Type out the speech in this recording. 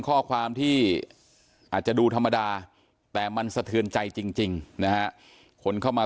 ข้อความที่อาจจะดูธรรมดาแต่มันสะเทือนใจจริงนะฮะคนเข้ามา